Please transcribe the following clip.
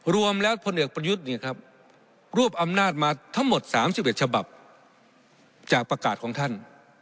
รวมแล้วพลเอกประยุทธ์รวบอำนาจมาทั้งหมด๓๑ฉบับจากประกาศของท่าน